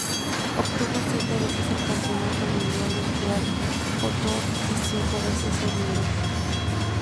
Obtuvo siete veces el Campeonato Mundial de Trial Outdoor y cinco veces del Indoor.